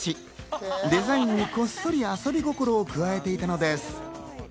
デザインにこっそりと遊び心を加えていたのです。